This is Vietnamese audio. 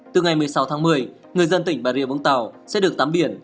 từ ngày một mươi sáu tháng một mươi người dân tỉnh bà rịa vũng tàu sẽ được tắm biển